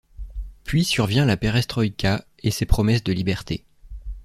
Puis survient la perestroïka, et ses promesses de liberté.